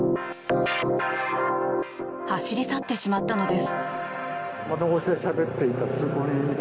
走り去ってしまったのです。